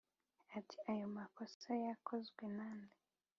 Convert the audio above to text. ati"ayomakosa yakozwe nande?